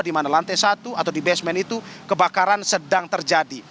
di mana lantai satu atau di basement itu kebakaran sedang terjadi